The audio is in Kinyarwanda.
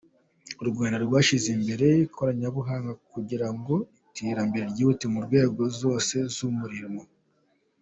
U Rwanda rwashyize imbere ikoranabuhanga kugira ngo iterambere ryihute mu nzego zose z’umurimo.